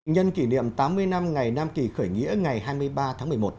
nhân kỷ niệm tám mươi năm ngày nam kỳ khởi nghĩa ngày hai mươi ba tháng một mươi một